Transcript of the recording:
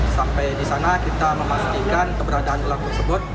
sampai di sana kita memastikan keberadaan gelar tersebut